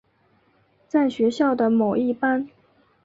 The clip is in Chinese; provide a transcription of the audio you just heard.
在学校的某一班。